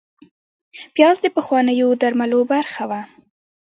پیاز د پخوانیو درملو برخه وه